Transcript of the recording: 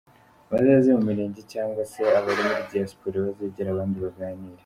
"Bazaze mu mirenge cyangwa se abari muri diaspora bazegere abandi baganire".